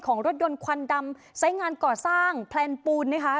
รถยนต์ควันดำไซส์งานก่อสร้างแพลนปูนนะคะ